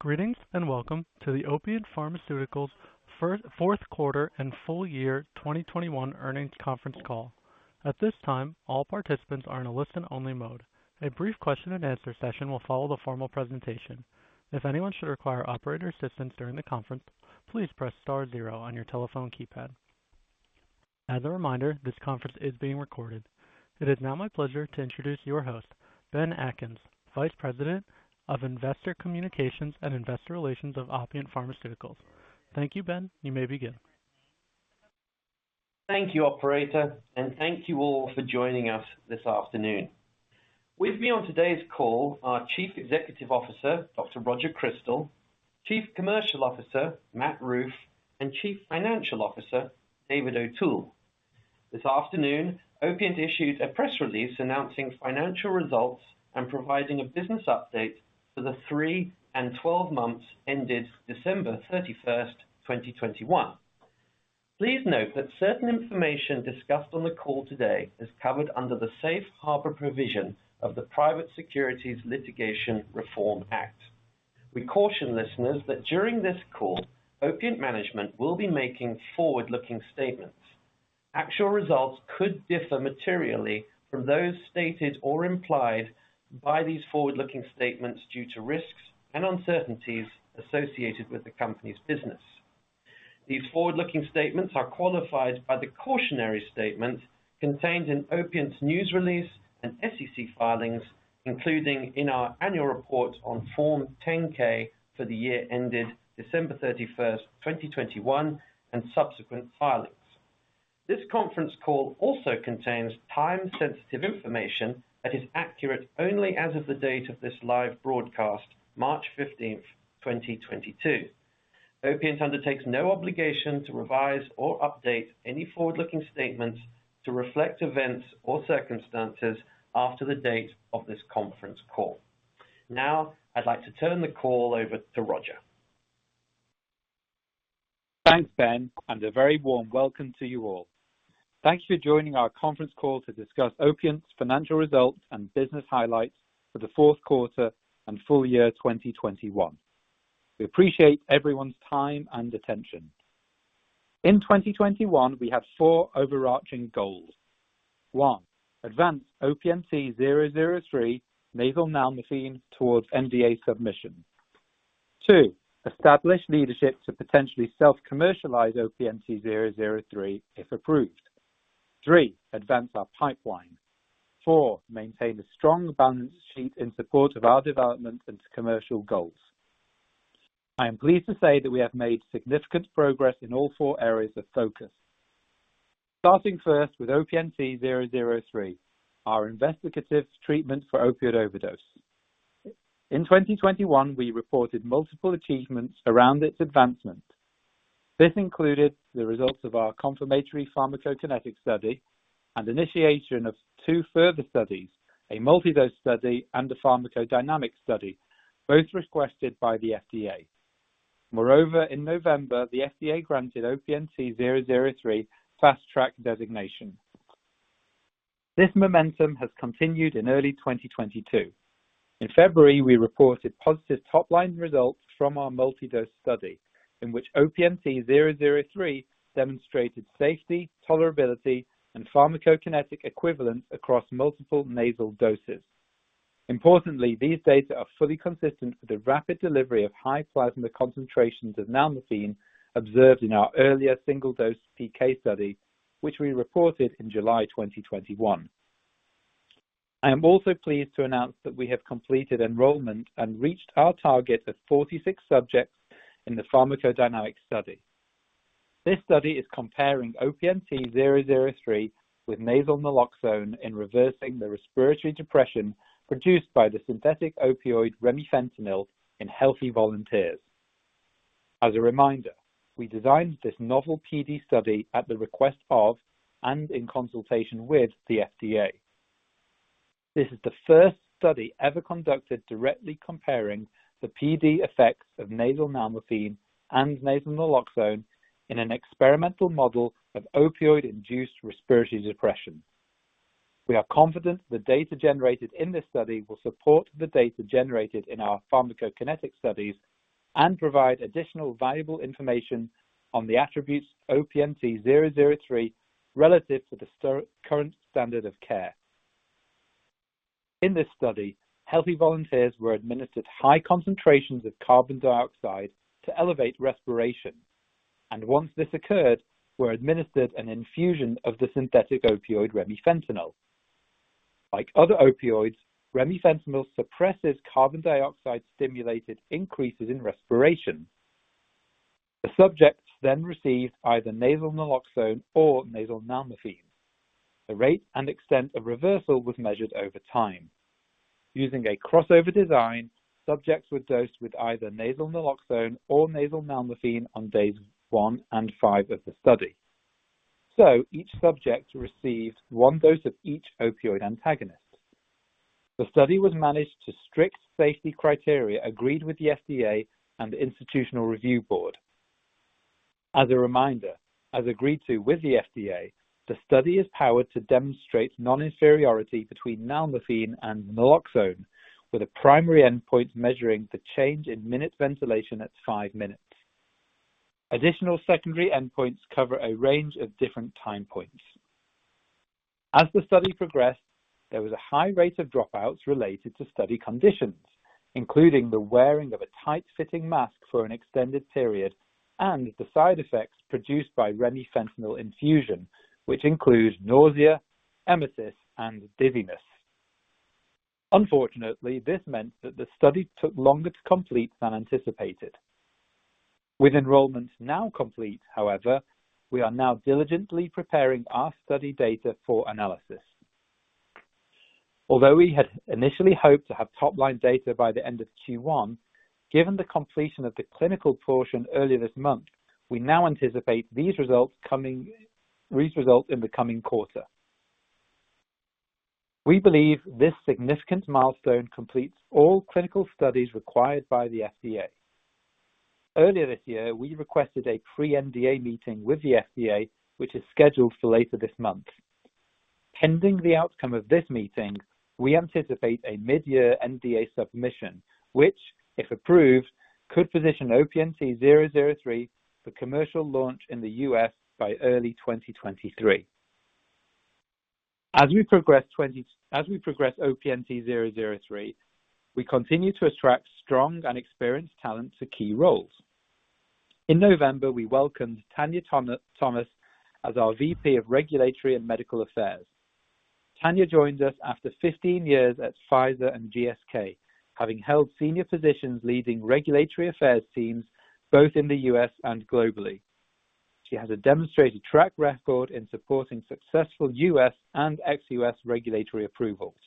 Greetings, and welcome to the Opiant Pharmaceuticals fourth quarter and full year 2021 earnings conference call. At this time, all participants are in a listen-only mode. A brief question and answer session will follow the formal presentation. If anyone should require operator assistance during the conference, please press star zero on your telephone keypad. As a reminder, this conference is being recorded. It is now my pleasure to introduce your host, Ben Atkins, Vice President of Investor Communications and Investor Relations of Opiant Pharmaceuticals. Thank you, Ben. You may begin. Thank you, operator, and thank you all for joining us this afternoon. With me on today's call are Chief Executive Officer, Dr. Roger Crystal, Chief Commercial Officer, Matt Ruth, and Chief Financial Officer, David O'Toole. This afternoon, Opiant issued a press release announcing financial results and providing a business update for the three and 12 months ended December 31st, 2021. Please note that certain information discussed on the call today is covered under the safe harbor provision of the Private Securities Litigation Reform Act. We caution listeners that during this call, Opiant management will be making forward-looking statements. Actual results could differ materially from those stated or implied by these forward-looking statements due to risks and uncertainties associated with the company's business. These forward-looking statements are qualified by the cautionary statements contained in Opiant's news release and SEC filings, including in our annual report on Form 10-K for the year ended December 31st, 2021, and subsequent filings. This conference call also contains time-sensitive information that is accurate only as of the date of this live broadcast, March 15th, 2022. Opiant undertakes no obligation to revise or update any forward-looking statements to reflect events or circumstances after the date of this conference call. Now, I'd like to turn the call over to Roger. Thanks, Ben, and a very warm welcome to you all. Thank you for joining our conference call to discuss Opiant's financial results and business highlights for the fourth quarter and full year 2021. We appreciate everyone's time and attention. In 2021, we have four overarching goals. One, advance OPNT003 nasal nalmefene towards NDA submission. Two, establish leadership to potentially self-commercialize OPNT003 if approved. Three, advance our pipeline. Four, maintain a strong balance sheet in support of our development and commercial goals. I am pleased to say that we have made significant progress in all four areas of focus. Starting first with OPNT003, our investigational treatment for opioid overdose. In 2021, we reported multiple achievements around its advancement. This included the results of our confirmatory pharmacokinetic study and initiation of two further studies, a multi-dose study and a pharmacodynamic study, both requested by the FDA. Moreover, in November, the FDA granted OPNT003 Fast Track designation. This momentum has continued in early 2022. In February, we reported positive top-line results from our multi-dose study in which OPNT003 demonstrated safety, tolerability, and pharmacokinetic equivalent across multiple nasal doses. Importantly, these data are fully consistent with the rapid delivery of high plasma concentrations of nalmefene observed in our earlier single dose PK study, which we reported in July 2021. I am also pleased to announce that we have completed enrollment and reached our target of 46 subjects in the pharmacodynamic study. This study is comparing OPNT003 with nasal naloxone in reversing the respiratory depression produced by the synthetic opioid remifentanil in healthy volunteers. As a reminder, we designed this novel PD study at the request of and in consultation with the FDA. This is the first study ever conducted directly comparing the PD effects of nasal nalmefene and nasal naloxone in an experimental model of opioid-induced respiratory depression. We are confident the data generated in this study will support the data generated in our pharmacokinetic studies and provide additional valuable information on the attributes OPNT003 relative to the current standard of care. In this study, healthy volunteers were administered high concentrations of carbon dioxide to elevate respiration, and once this occurred, were administered an infusion of the synthetic opioid remifentanil. Like other opioids, remifentanil suppresses carbon dioxide-stimulated increases in respiration. The subjects then received either nasal naloxone or nasal nalmefene. The rate and extent of reversal was measured over time. Using a crossover design, subjects were dosed with either nasal naloxone or nasal nalmefene on days one and five of the study. Each subject received one dose of each opioid antagonist. The study was managed to strict safety criteria agreed with the FDA and the Institutional Review Board. As a reminder, as agreed to with the FDA, the study is powered to demonstrate non-inferiority between nalmefene and naloxone, with a primary endpoint measuring the change in minute ventilation at five minutes. Additional secondary endpoints cover a range of different time points. As the study progressed, there was a high rate of dropouts related to study conditions, including the wearing of a tight-fitting mask for an extended period and the side effects produced by remifentanil infusion, which includes nausea, emesis, and dizziness. Unfortunately, this meant that the study took longer to complete than anticipated. With enrollment now complete, however, we are now diligently preparing our study data for analysis. Although we had initially hoped to have top-line data by the end of Q1, given the completion of the clinical portion earlier this month, we now anticipate these results coming in the coming quarter. We believe this significant milestone completes all clinical studies required by the FDA. Earlier this year, we requested a pre-NDA meeting with the FDA, which is scheduled for later this month. Pending the outcome of this meeting, we anticipate a mid-year NDA submission, which, if approved, could position OPNT003 for commercial launch in the U.S. by early 2023. As we progress OPNT003, we continue to attract strong and experienced talent to key roles. In November, we welcomed Tanya Thomas as our VP of Regulatory and Medical Affairs. Tanya joins us after 15 years at Pfizer and GSK, having held senior positions leading regulatory affairs teams both in the U.S. and globally. She has a demonstrated track record in supporting successful U.S. and ex-U.S. regulatory approvals.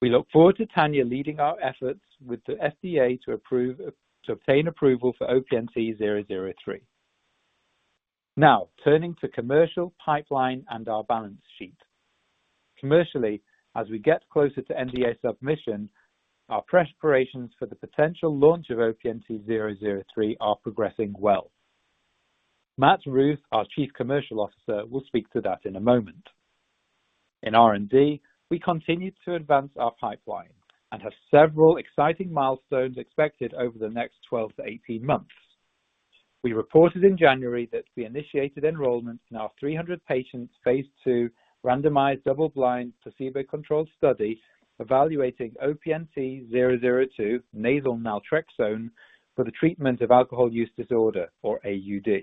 We look forward to Tanya leading our efforts with the FDA to obtain approval for OPNT003. Now, turning to commercial pipeline and our balance sheet. Commercially, as we get closer to NDA submission, our preparations for the potential launch of OPNT003 are progressing well. Matt Ruth, our Chief Commercial Officer, will speak to that in a moment. In R&D, we continue to advance our pipeline and have several exciting milestones expected over the next 12-18 months. We reported in January that we initiated enrollment in our 300 patients phase II randomized double-blind placebo-controlled study evaluating OPNT002 nasal naltrexone for the treatment of alcohol use disorder, or AUD.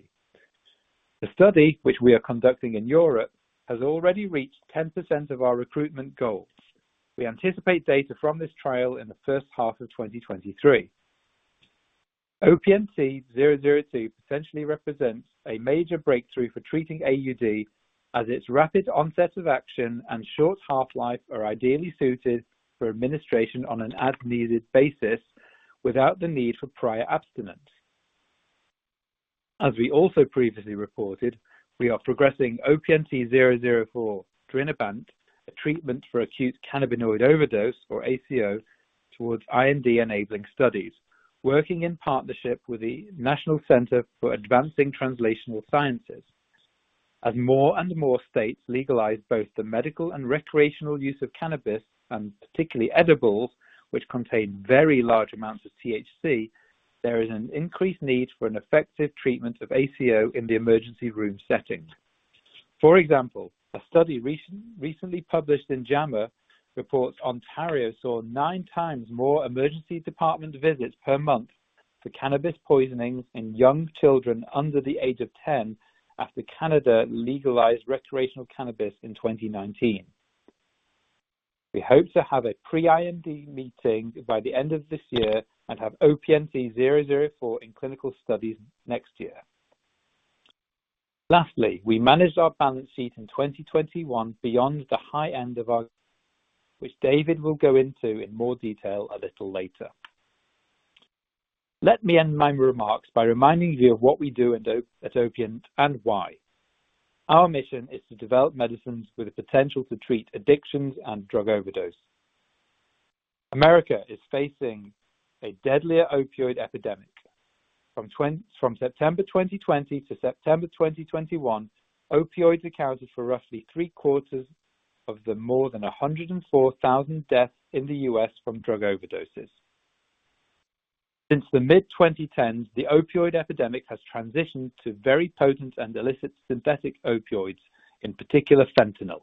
The study, which we are conducting in Europe, has already reached 10% of our recruitment goals. We anticipate data from this trial in the first half of 2023. OPNT002 potentially represents a major breakthrough for treating AUD, as its rapid onset of action and short half-life are ideally suited for administration on an as-needed basis without the need for prior abstinence. As we also previously reported, we are progressing OPNT004, dronabinol, a treatment for acute cannabinoid overdose or ACO towards IND-enabling studies, working in partnership with the National Center for Advancing Translational Sciences. As more and more states legalize both the medical and recreational use of cannabis, and particularly edibles, which contain very large amounts of THC, there is an increased need for an effective treatment of ACO in the emergency room setting. For example, a study recently published in JAMA reports Ontario saw nine times more emergency department visits per month for cannabis poisonings in young children under the age of 10 after Canada legalized recreational cannabis in 2019. We hope to have a pre-IND meeting by the end of this year and have OPNT004 in clinical studies next year. Lastly, we managed our balance sheet in 2021 beyond the high end of our, which David will go into in more detail a little later. Let me end my remarks by reminding you of what we do at Opiant and why. Our mission is to develop medicines with the potential to treat addictions and drug overdose. America is facing a deadlier opioid epidemic. From September 2020 to September 2021, opioids accounted for roughly three-quarters of the more than 104,000 deaths in the U.S. from drug overdoses. Since the mid-2010s, the opioid epidemic has transitioned to very potent and illicit synthetic opioids, in particular fentanyl.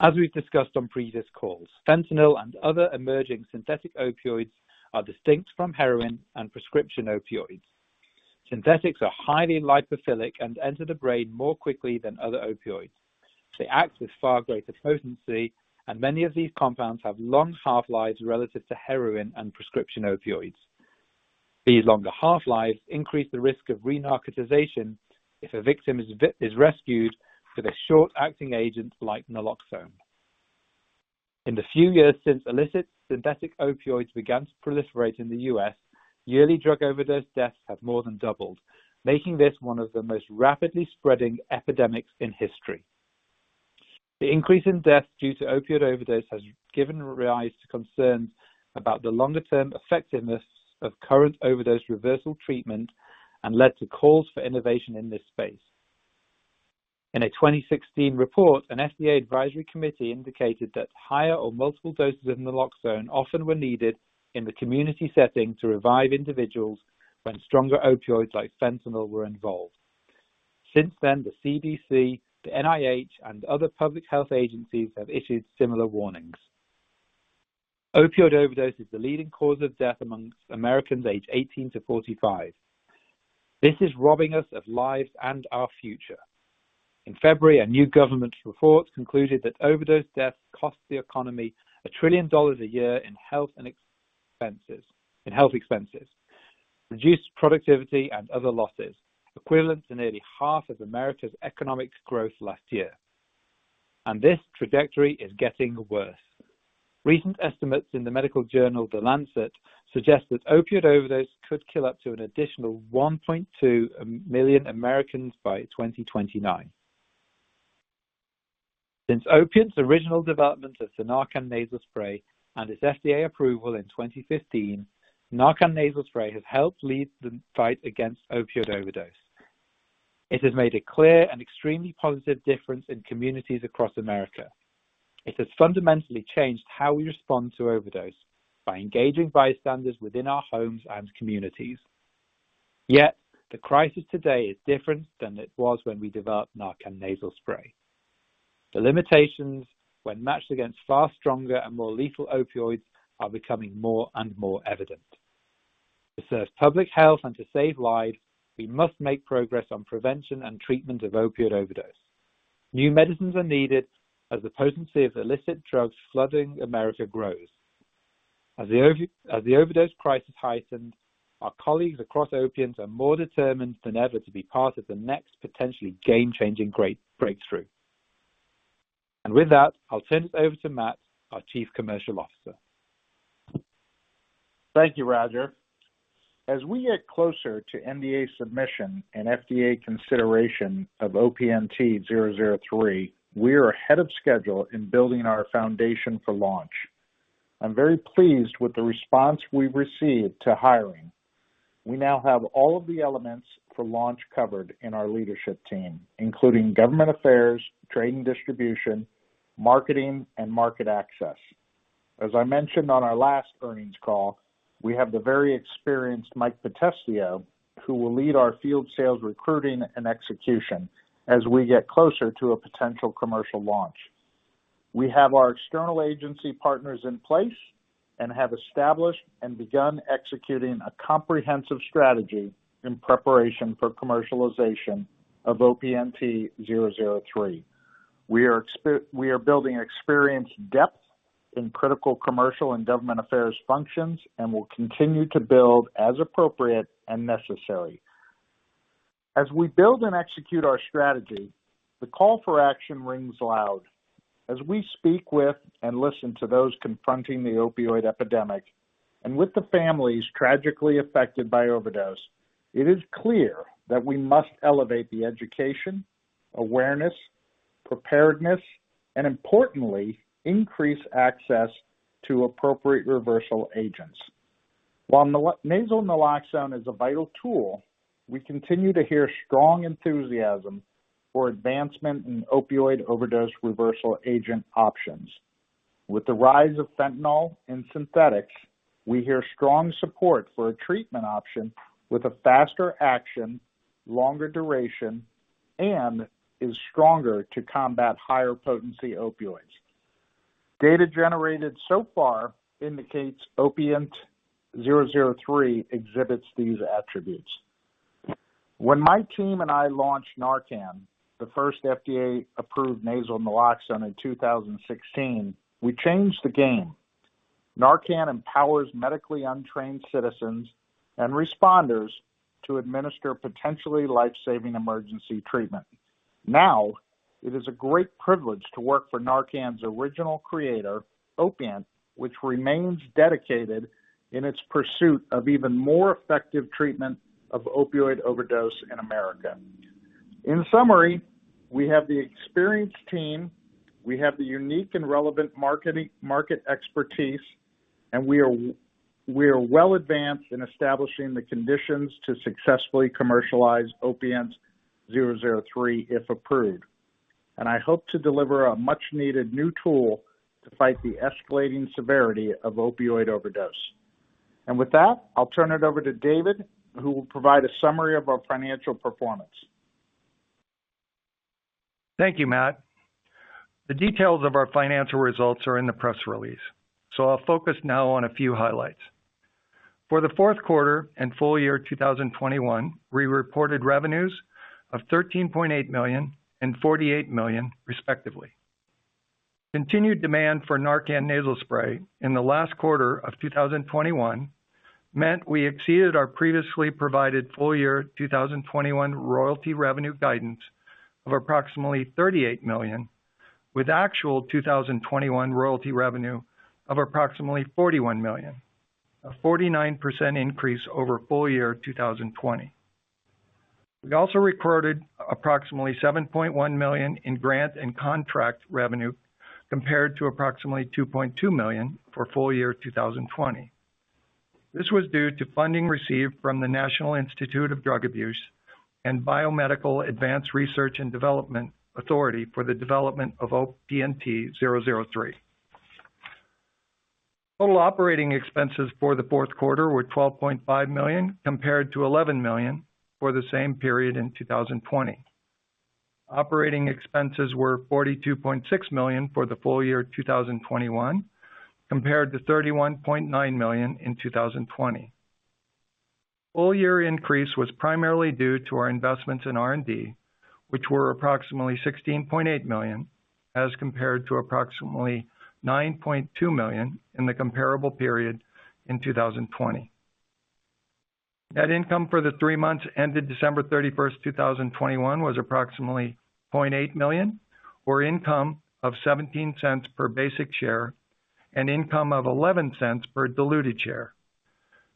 As we've discussed on previous calls, fentanyl and other emerging synthetic opioids are distinct from heroin and prescription opioids. Synthetics are highly lipophilic and enter the brain more quickly than other opioids. They act with far greater potency, and many of these compounds have long half-lives relative to heroin and prescription opioids. These longer half-lives increase the risk of re-narcotization if a victim is rescued with a short-acting agent like naloxone. In the few years since illicit synthetic opioids began to proliferate in the U.S., yearly drug overdose deaths have more than doubled, making this one of the most rapidly spreading epidemics in history. The increase in deaths due to opioid overdose has given rise to concerns about the longer-term effectiveness of current overdose reversal treatment and led to calls for innovation in this space. In a 2016 report, an FDA advisory committee indicated that higher or multiple doses of naloxone often were needed in the community setting to revive individuals when stronger opioids like fentanyl were involved. Since then, the CDC, the NIH, and other public health agencies have issued similar warnings. Opioid overdose is the leading cause of death among Americans aged 18 to 45. This is robbing us of lives and our future. In February, a new government report concluded that overdose deaths cost the economy $1 trillion a year in health expenses, reduced productivity, and other losses, equivalent to nearly half of America's economic growth last year. This trajectory is getting worse. Recent estimates in the medical journal The Lancet suggest that opioid overdose could kill up to an additional 1.2 million Americans by 2029. Since Opiant's original development of naloxone nasal spray and its FDA approval in 2015, NARCAN nasal spray has helped lead the fight against opioid overdose. It has made a clear and extremely positive difference in communities across America. It has fundamentally changed how we respond to overdose by engaging bystanders within our homes and communities. Yet the crisis today is different than it was when we developed NARCAN nasal spray. The limitations when matched against far stronger and more lethal opioids are becoming more and more evident. To serve public health and to save lives, we must make progress on prevention and treatment of opioid overdose. New medicines are needed as the potency of illicit drugs flooding America grows. As the overdose crisis heightens, our colleagues across Opiant are more determined than ever to be part of the next potentially game-changing great breakthrough. With that, I'll turn it over to Matt, our Chief Commercial Officer. Thank you, Roger. As we get closer to NDA submission and FDA consideration of OPNT003, we are ahead of schedule in building our foundation for launch. I'm very pleased with the response we've received to hiring. We now have all of the elements for launch covered in our leadership team, including government affairs, trade and distribution, marketing, and market access. As I mentioned on our last earnings call, we have the very experienced Mike Potestio, who will lead our field sales, recruiting, and execution as we get closer to a potential commercial launch. We have our external agency partners in place and have established and begun executing a comprehensive strategy in preparation for commercialization of OPNT003. We are building experience depth in critical commercial and government affairs functions and will continue to build as appropriate and necessary. As we build and execute our strategy, the call for action rings loud as we speak with and listen to those confronting the opioid epidemic and with the families tragically affected by overdose. It is clear that we must elevate the education, awareness, preparedness, and importantly, increase access to appropriate reversal agents. While nasal naloxone is a vital tool, we continue to hear strong enthusiasm for advancement in opioid overdose reversal agent options. With the rise of fentanyl and synthetics, we hear strong support for a treatment option with a faster action, longer duration, and is stronger to combat higher potency opioids. Data generated so far indicates OPNT003 exhibits these attributes. When my team and I launched NARCAN, the first FDA-approved nasal naloxone in 2016, we changed the game. NARCAN empowers medically untrained citizens and responders to administer potentially life-saving emergency treatment. Now it is a great privilege to work for NARCAN's original creator, Opiant, which remains dedicated in its pursuit of even more effective treatment of opioid overdose in America. In summary, we have the experienced team, we have the unique and relevant market expertise, and we are well advanced in establishing the conditions to successfully commercialize OPNT003 if approved. I hope to deliver a much-needed new tool to fight the escalating severity of opioid overdose. With that, I'll turn it over to David, who will provide a summary of our financial performance. Thank you, Matt. The details of our financial results are in the press release, so I'll focus now on a few highlights. For the fourth quarter and full year 2021, we reported revenues of $13.8 million and $48 million, respectively. Continued demand for NARCAN nasal spray in the last quarter of 2021 meant we exceeded our previously provided full year 2021 royalty revenue guidance of approximately $38 million, with actual 2021 royalty revenue of approximately $41 million, a 49% increase over full year 2020. We also recorded approximately $7.1 million in grant and contract revenue compared to approximately $2.2 million for full year 2020. This was due to funding received from the National Institute on Drug Abuse and Biomedical Advanced Research and Development Authority for the development of OPNT003. Total operating expenses for the fourth quarter were $12.5 million compared to $11 million for the same period in 2020. Operating expenses were $42.6 million for the full year 2021 compared to $31.9 million in 2020. Full year increase was primarily due to our investments in R&D, which were approximately $16.8 million as compared to approximately $9.2 million in the comparable period in 2020. Net income for the three months ended December 31st, 2021 was approximately $0.8 million or income of $0.17 per basic share, and income of $0.11 per diluted share,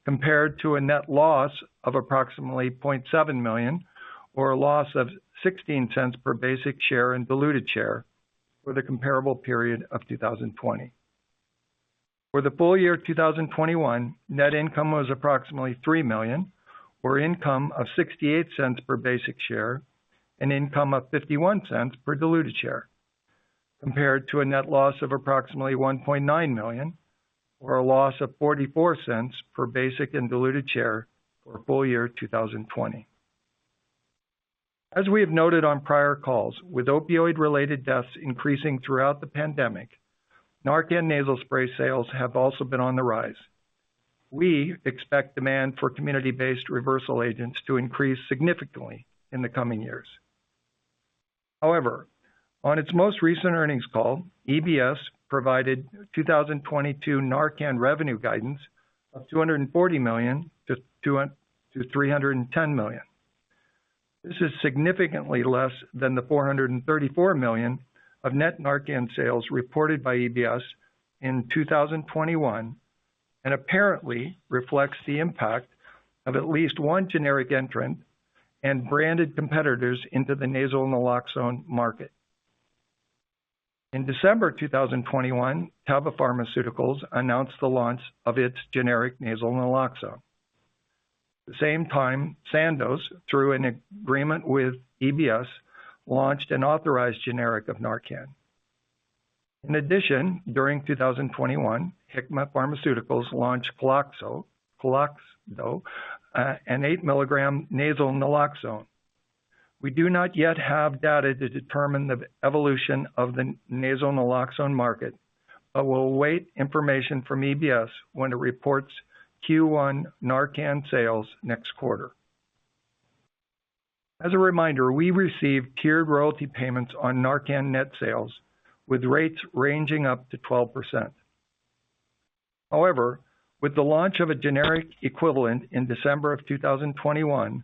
compared to a net loss of approximately $0.7 million or a loss of $0.16 per basic share and diluted share for the comparable period of 2020. For the full year 2021, net income was approximately $3 million or income of $0.68 per basic share, and income of $0.51 per diluted share, compared to a net loss of approximately $1.9 million or a loss of $0.44 per basic and diluted share for full year 2020. As we have noted on prior calls, with opioid-related deaths increasing throughout the pandemic, NARCAN Nasal Spray sales have also been on the rise. We expect demand for community-based reversal agents to increase significantly in the coming years. However, on its most recent earnings call, EBS provided 2022 NARCAN revenue guidance of $240 million-$310 million. This is significantly less than the $434 million of net NARCAN sales reported by EBS in 2021, and apparently reflects the impact of at least one generic entrant and branded competitors into the nasal naloxone market. In December 2021, Teva Pharmaceuticals announced the launch of its generic nasal naloxone. At the same time, Sandoz, through an agreement with EBS, launched an authorized generic of NARCAN. In addition, during 2021, Hikma Pharmaceuticals launched KLOXXADO, an 8 mg nasal naloxone. We do not yet have data to determine the evolution of the nasal naloxone market, but we'll await information from EBS when it reports Q1 NARCAN sales next quarter. As a reminder, we receive tiered royalty payments on NARCAN net sales with rates ranging up to 12%. However, with the launch of a generic equivalent in December 2021,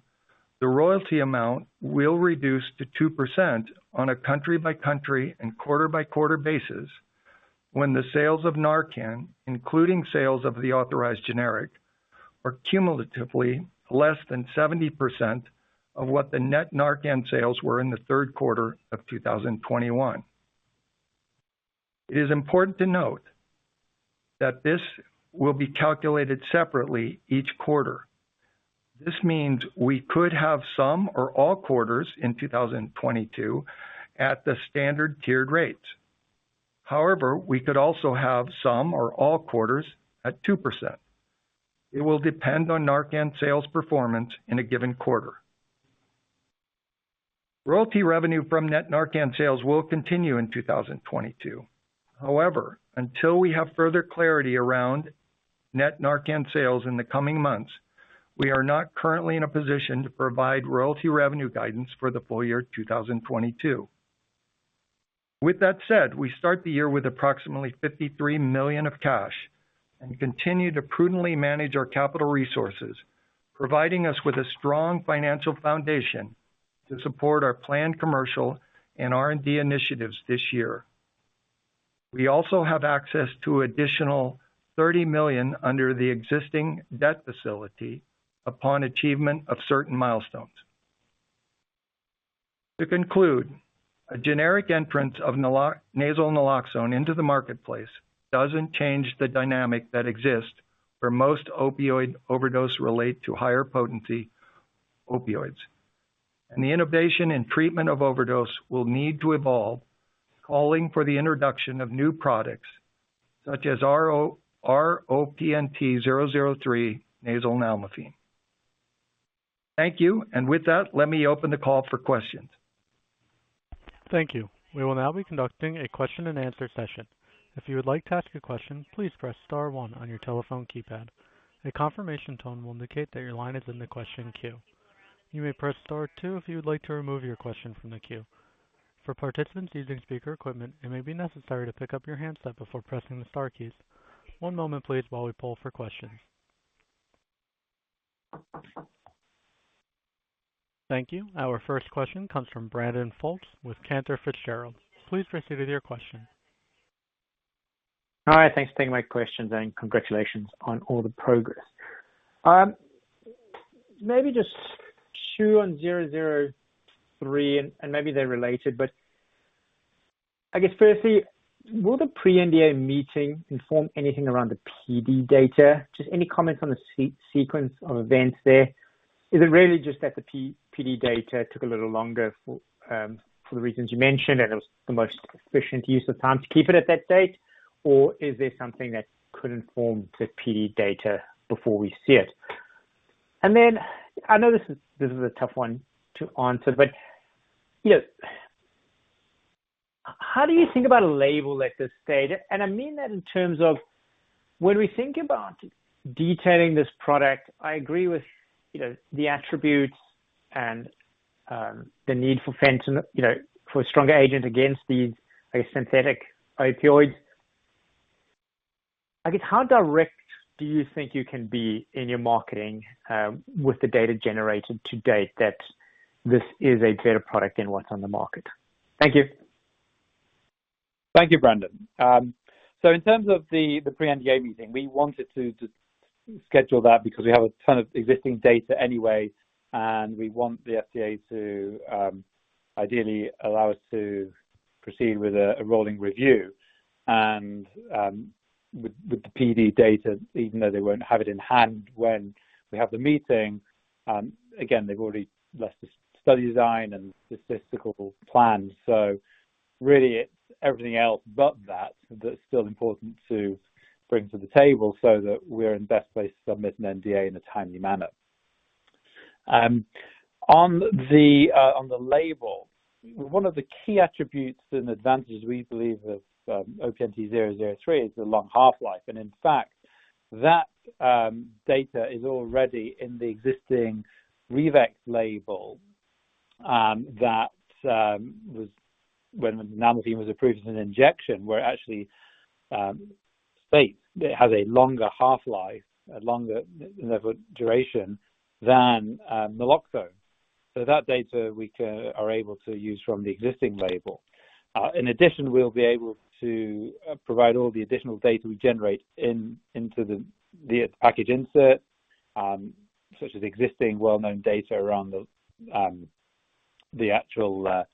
the royalty amount will reduce to 2% on a country by country and quarter by quarter basis when the sales of NARCAN, including sales of the authorized generic, are cumulatively less than 70% of what the net NARCAN sales were in the third quarter of 2021. It is important to note that this will be calculated separately each quarter. This means we could have some or all quarters in 2022 at the standard tiered rates. However, we could also have some or all quarters at 2%. It will depend on NARCAN sales performance in a given quarter. Royalty revenue from net NARCAN sales will continue in 2022. However, until we have further clarity around net NARCAN sales in the coming months, we are not currently in a position to provide royalty revenue guidance for the full year 2022. With that said, we start the year with approximately $53 million of cash and continue to prudently manage our capital resources, providing us with a strong financial foundation to support our planned commercial and R&D initiatives this year. We also have access to additional $30 million under the existing debt facility upon achievement of certain milestones. To conclude, a generic entrance of nasal naloxone into the marketplace doesn't change the dynamic that exists where most opioid overdose relate to higher potency opioids. The innovation and treatment of overdose will need to evolve, calling for the introduction of new products such as OPNT003 nasal nalmefene. Thank you. With that, let me open the call for questions. Thank you. We will now be conducting a question and answer session. If you would like to ask a question, please press star one on your telephone keypad. A confirmation tone will indicate that your line is in the question queue. You may press star two if you would like to remove your question from the queue. For participants using speaker equipment, it may be necessary to pick up your handset before pressing the star keys. One moment please while we poll for questions. Thank you. Our first question comes from Brandon Folkes with Cantor Fitzgerald. Please proceed with your question. All right. Thanks for taking my questions and congratulations on all the progress. Maybe just OPNT003 and maybe they're related, but I guess firstly, will the pre-NDA meeting inform anything around the PD data? Just any comments on the sequence of events there. Is it really just that the PD data took a little longer for the reasons you mentioned, and it was the most efficient use of time to keep it at that date? Or is there something that could inform the PD data before we see it? I know this is a tough one to answer, but you know, how do you think about a label at this stage? I mean that in terms of when we think about detailing this product, I agree with, you know, the attributes and the need for fentanyl, you know, for a stronger agent against these, I guess, synthetic opioids. I guess, how direct do you think you can be in your marketing with the data generated to date that this is a better product than what's on the market? Thank you. Thank you, Brandon. In terms of the pre-NDA meeting, we wanted to schedule that because we have a ton of existing data anyway, and we want the FDA to ideally allow us to proceed with a rolling review. With the PD data, even though they won't have it in hand when we have the meeting, again, they've already blessed the study design and statistical plans. Really it's everything else but that's still important to bring to the table so that we're in best place to submit an NDA in a timely manner. On the label, one of the key attributes and advantages we believe of OPNT003 is the long half-life. In fact, that data is already in the existing Revex label, that was when naloxone was approved as an injection, where it actually states it has a longer half-life, a longer level duration than naloxone. So that data we are able to use from the existing label. In addition, we'll be able to provide all the additional data we generate into the package insert, such as existing well-known data around the actual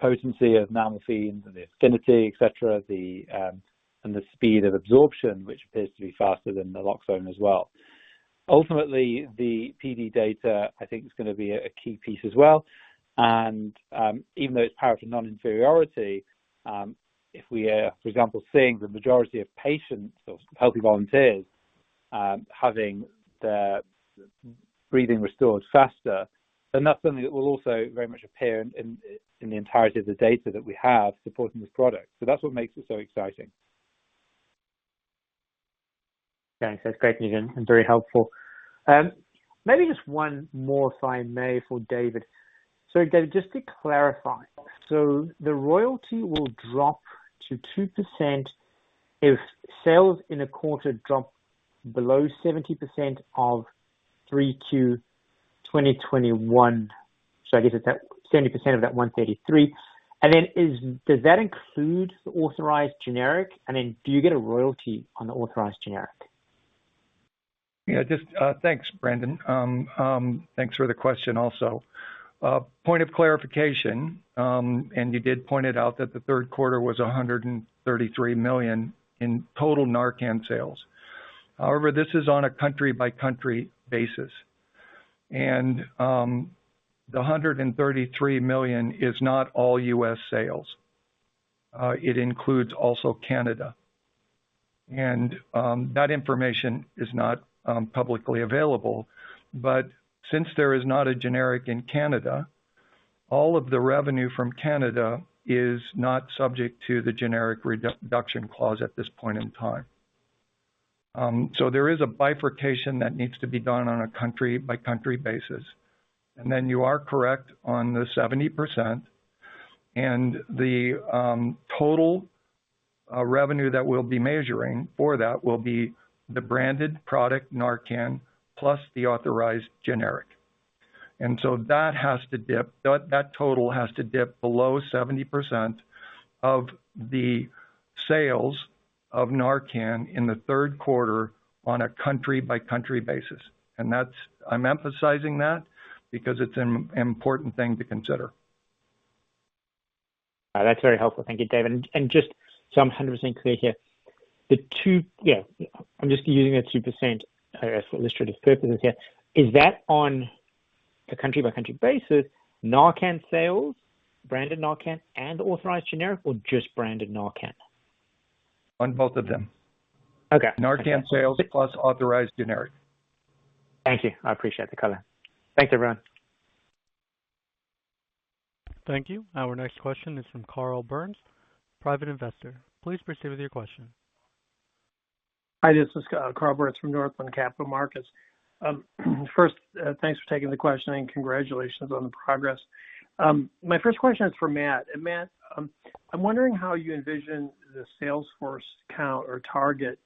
potency of naloxone, the affinity, et cetera, and the speed of absorption, which appears to be faster than naloxone as well. Ultimately, the PD data I think is gonna be a key piece as well. Even though it's powered to non-inferiority, if we are, for example, seeing the majority of patients or healthy volunteers having their breathing restored faster, then that's something that will also very much appear in the entirety of the data that we have supporting this product. That's what makes it so exciting. Okay. That's great, Roger, and very helpful. Maybe just one more, if I may, for David. David, just to clarify, the royalty will drop to 2% if sales in a quarter drop below 70% of 3Q 2021. I guess it's at 70% of that 133. Then does that include the authorized generic? Then do you get a royalty on the authorized generic? Yeah, just, thanks, Brandon. Thanks for the question also. Point of clarification, you did point it out that the third quarter was $133 million in total NARCAN sales. However, this is on a country-by-country basis. The $133 million is not all U.S. sales. It includes also Canada. That information is not publicly available. Since there is not a generic in Canada, all of the revenue from Canada is not subject to the generic reduction clause at this point in time. There is a bifurcation that needs to be done on a country-by-country basis. You are correct on the 70% and the total revenue that we'll be measuring for that will be the branded product, NARCAN, plus the authorized generic. That total has to dip below 70% of the sales of NARCAN in the third quarter on a country-by-country basis. That's. I'm emphasizing that because it's an important thing to consider. That's very helpful. Thank you, David. Just so I'm 100% clear here, I'm just using the 2% for illustrative purposes here. Is that on a country-by-country basis, NARCAN sales, branded NARCAN and authorized generic, or just branded NARCAN? On both of them. Okay. NARCAN sales plus authorized generic. Thank you. I appreciate the color. Thanks, everyone. Thank you. Our next question is from Carl Byrnes, Private Investor. Please proceed with your question. Hi, this is Carl Byrnes from Northland Capital Markets. First, thanks for taking the question and congratulations on the progress. My first question is for Matt. Matt, I'm wondering how you envision the sales force count or target.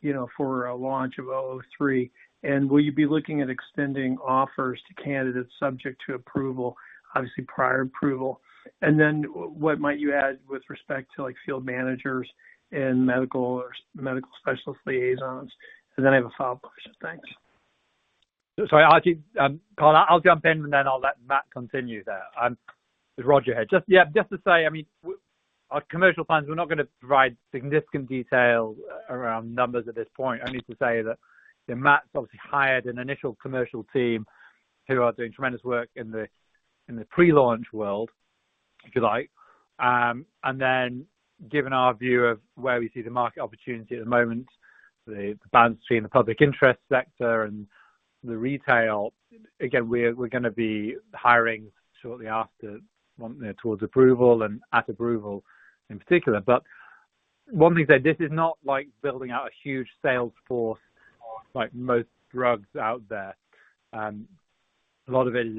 You know, for a launch of OPNT003, and will you be looking at extending offers to candidates subject to approval, obviously prior approval? What might you add with respect to, like, field managers and medical specialist liaisons? I have a follow-up question. Thanks. Sorry, I'll keep, Carl, I'll jump in, and then I'll let Matt continue there. It's Roger here. Just, yeah, to say, I mean, our commercial plans, we're not gonna provide significant detail around numbers at this point. Only to say that Matt's obviously hired an initial commercial team who are doing tremendous work in the pre-launch world, if you like. Given our view of where we see the market opportunity at the moment, the balance between the public interest sector and the retail, again, we're gonna be hiring shortly after, towards approval and at approval, in particular. One thing, this is not like building out a huge sales force like most drugs out there. A lot of it is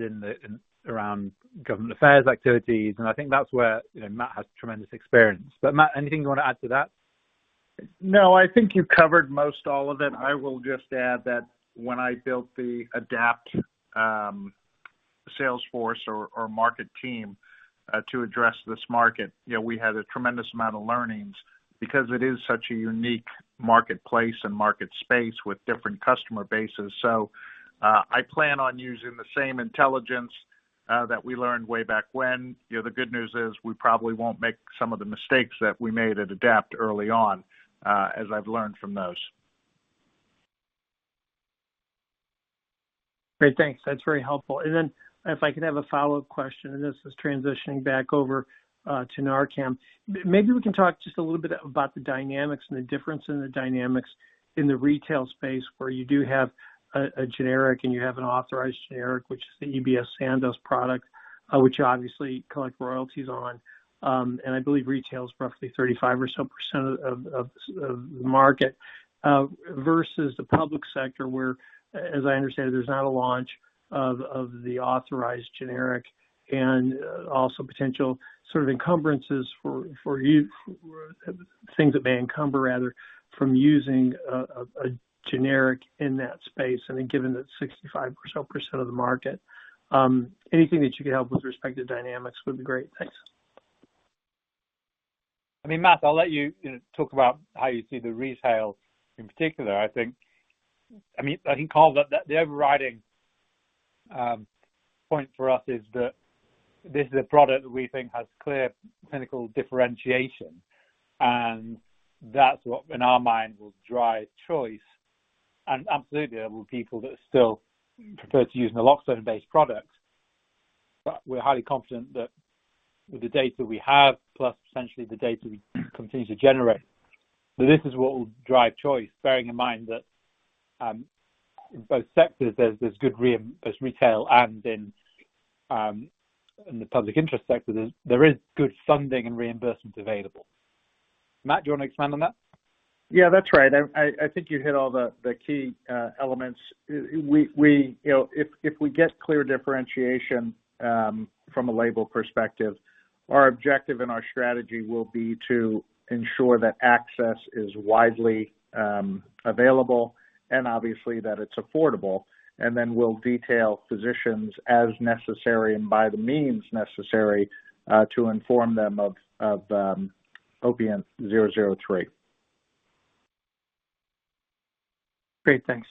around government affairs activities, and I think that's where, you know, Matt has tremendous experience. Matt, anything you want to add to that? No, I think you covered most all of it. I will just add that when I built the Adapt sales force or market team to address this market, you know, we had a tremendous amount of learnings because it is such a unique marketplace and market space with different customer bases. I plan on using the same intelligence that we learned way back when. You know, the good news is we probably won't make some of the mistakes that we made at Adapt early on, as I've learned from those. Great. Thanks. That's very helpful. Then if I could have a follow-up question, this is transitioning back over to Narcan. Maybe we can talk just a little bit about the dynamics and the difference in the dynamics in the retail space, where you do have a generic and you have an authorized generic, which is the EBS Sandoz product, which you obviously collect royalties on, and I believe retails roughly 35% or so of the market, versus the public sector, where, as I understand, there's not a launch of the authorized generic and also potential sort of encumbrances for you, things that may encumber rather from using a generic in that space. Then given that 65% or so of the market, anything that you could help with respect to dynamics would be great. Thanks. I mean, Matt, I'll let you know, talk about how you see the retail in particular. I think, I mean, Carl, the overriding point for us is that this is a product we think has clear clinical differentiation, and that's what in our mind will drive choice. Absolutely, there will be people that still prefer to use naloxone-based products. We're highly confident that with the data we have, plus essentially the data we continue to generate, this is what will drive choice, bearing in mind that in both sectors, retail and the public interest sector, there is good funding and reimbursement available. Matt, do you want to expand on that? Yeah, that's right. I think you hit all the key elements. We, you know, if we get clear differentiation from a label perspective, our objective and our strategy will be to ensure that access is widely available and obviously that it's affordable. We'll detail physicians as necessary and by the means necessary to inform them of OPNT003. Great. Thanks.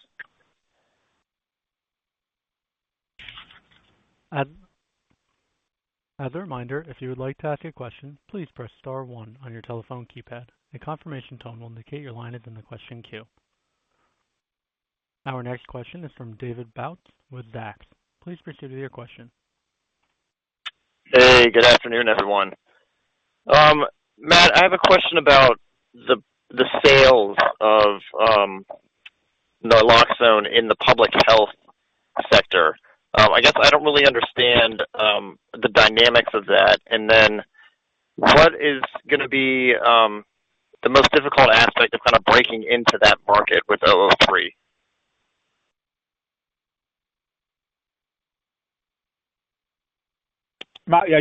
As a reminder, if you would like to ask a question, please press star one on your telephone keypad. A confirmation tone will indicate your line is in the question queue. Our next question is from David Bautz with Zacks. Please proceed with your question. Hey, good afternoon, everyone. Matt, I have a question about the sales of naloxone in the public health sector. I guess I don't really understand the dynamics of that. Then what is gonna be the most difficult aspect of kind of breaking into that market with OPNT003? Matt, yeah,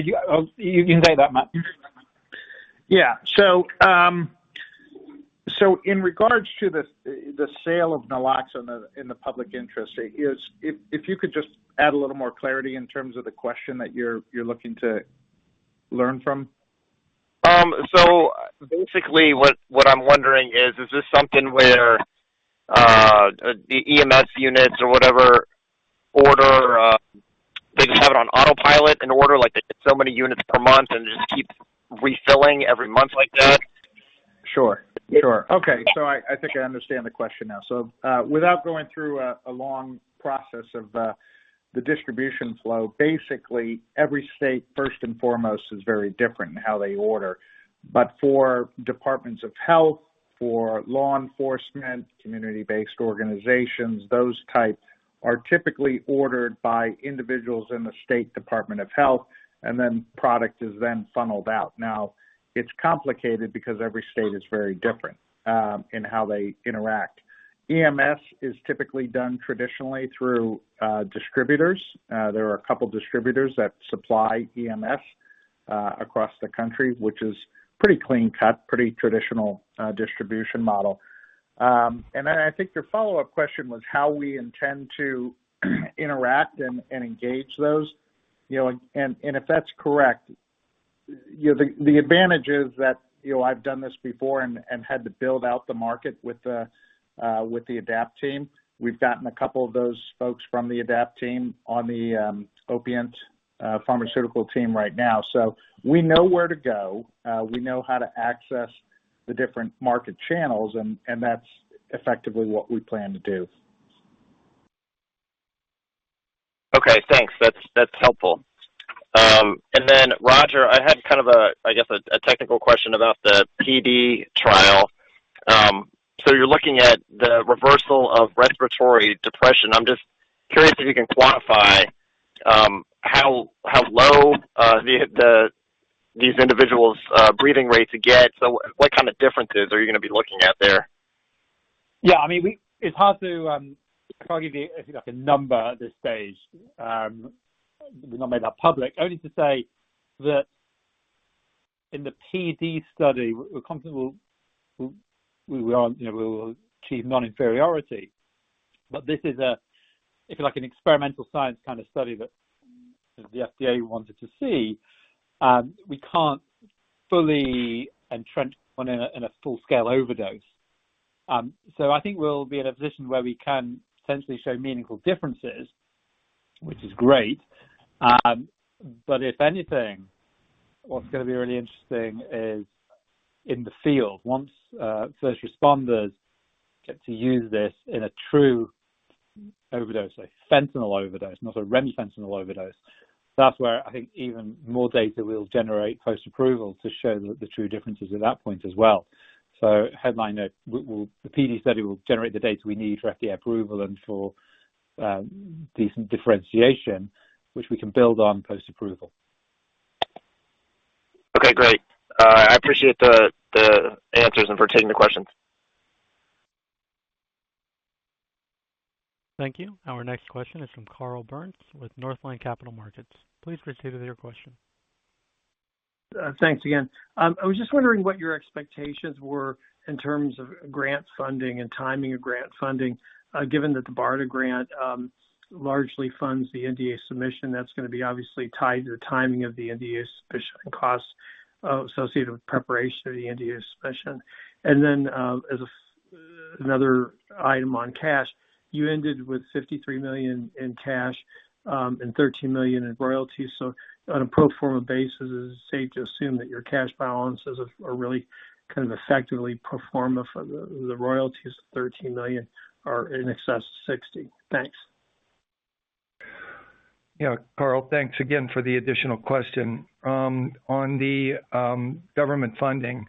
you can take that, Matt. Yeah. In regards to the sale of naloxone in the public interest, if you could just add a little more clarity in terms of the question that you're looking to learn from. Basically what I'm wondering is this something where the EMS units or whatever order they just have it on autopilot and order like so many units per month and just keep refilling every month like that? Sure. Okay. I think I understand the question now. Without going through a long process of the distribution flow, basically every state, first and foremost, is very different in how they order. For departments of health, for law enforcement, community-based organizations, those types are typically ordered by individuals in the state department of health, and then product is then funneled out. It's complicated because every state is very different in how they interact. EMS is typically done traditionally through distributors. There are a couple of distributors that supply EMS across the country, which is pretty clean cut, pretty traditional distribution model. I think your follow-up question was how we intend to interact and engage those, you know, and if that's correct, you know, the advantage is that, you know, I've done this before and had to build out the market with the Adapt team. We've gotten a couple of those folks from the Adapt team on the Opiant pharmaceutical team right now. We know where to go, we know how to access the different market channels, and that's effectively what we plan to do. Okay, thanks. That's helpful. Roger, I had kind of a, I guess, a technical question about the PD trial. You're looking at the reversal of respiratory depression. I'm just curious if you can quantify how low these individuals' breathing rates get. What kind of differences are you gonna be looking at there? Yeah. I mean, It's hard to try to give you, I think, like a number at this stage, we've not made that public. Only to say that in the PD study, we're confident we will achieve non-inferiority. This is, if you like, an experimental science kind of study that the FDA wanted to see, we can't fully entrench one in a full-scale overdose. I think we'll be in a position where we can potentially show meaningful differences, which is great. If anything, what's gonna be really interesting is in the field, once first responders get to use this in a true overdose, a fentanyl overdose, not a remifentanil overdose, that's where I think even more data will generate post-approval to show the true differences at that point as well. The PD study will generate the data we need for FDA approval and for distinct differentiation, which we can build on post-approval. Okay, great. I appreciate the answers and for taking the questions. Thank you. Our next question is from Carl Byrnes with Northland Capital Markets. Please proceed with your question. Thanks again. I was just wondering what your expectations were in terms of grant funding and timing of grant funding, given that the BARDA grant largely funds the NDA submission, that's gonna be obviously tied to the timing of the NDA submission costs associated with preparation of the NDA submission. As another item on cash, you ended with $53 million in cash and $13 million in royalties. On a pro forma basis, is it safe to assume that your cash balances are really kind of effectively pro forma for the royalties, the $13 million are in excess of $60 million. Thanks. Yeah. Carl, thanks again for the additional question. On the government funding,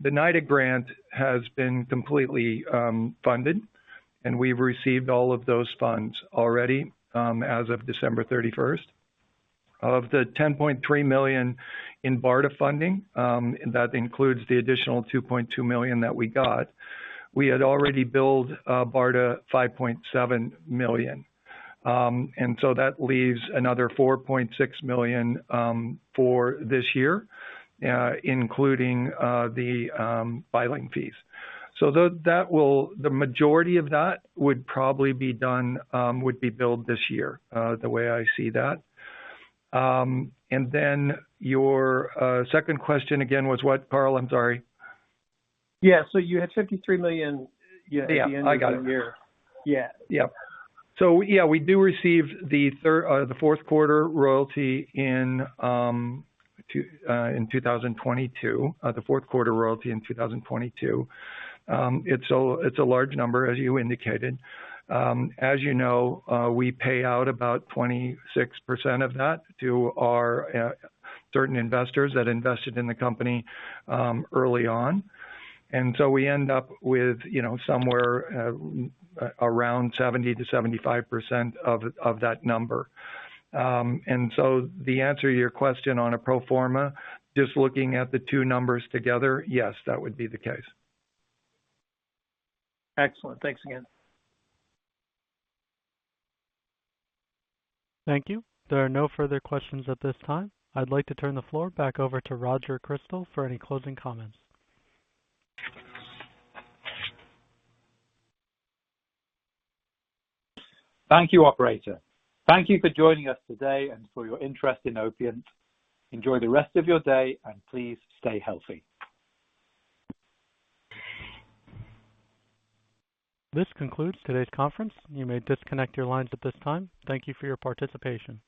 the NIDA grant has been completely funded, and we've received all of those funds already as of December thirty-first. Of the $10.3 million in BARDA funding, that includes the additional $2.2 million that we got. We had already billed BARDA $5.7 million. And so that leaves another $4.6 million for this year, including the filing fees. So the majority of that would probably be done would be billed this year, the way I see that. And then your second question again was what, Carl? I'm sorry. Yeah. You had $53 million- Yeah. at the end of the year. I got it. Yeah. We do receive the fourth quarter royalty in 2022. It's a large number, as you indicated. As you know, we pay out about 26% of that to our certain investors that invested in the company early on. We end up with, you know, somewhere around 70%-75% of that number. The answer to your question on a pro forma, just looking at the two numbers together, yes, that would be the case. Excellent. Thanks again. Thank you. There are no further questions at this time. I'd like to turn the floor back over to Roger Crystal for any closing comments. Thank you, operator. Thank you for joining us today and for your interest in Opiant. Enjoy the rest of your day and please stay healthy. This concludes today's conference. You may disconnect your lines at this time. Thank you for your participation.